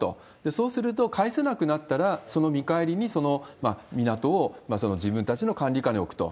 そうすると、返せなくなったら、その見返りにその港を自分たちの管理下に置くと。